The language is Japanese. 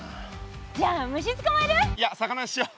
じゃあ虫つかまえる？いや魚にしよう。